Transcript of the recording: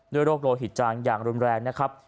โรคโลหิตจางอย่างรุนแรงนะครับ